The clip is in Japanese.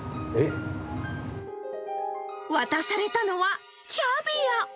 渡されたのはキャビア。